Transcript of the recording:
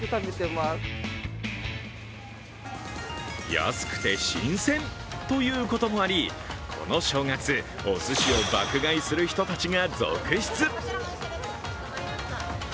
安くて新鮮ということもあり、この正月、おすしを爆買いする人たちが続出。